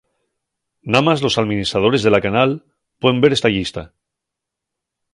Namás los alministradores de la canal puen ver esta llista.